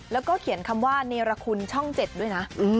แล้วก็เขียนคำว่าเนรคุณช่อง๗ด้วยนะ